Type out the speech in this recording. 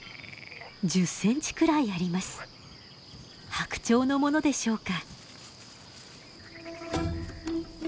ハクチョウのものでしょうか。